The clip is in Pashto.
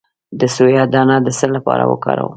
د سویا دانه د څه لپاره وکاروم؟